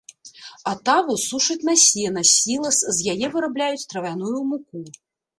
Атаву сушаць на сена, сілас, з яе вырабляюць травяную муку.